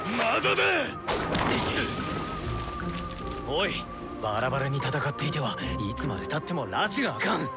おいバラバラに戦っていてはいつまでたってもらちが明かん。